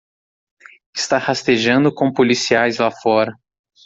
Está rastejando com policiais lá fora.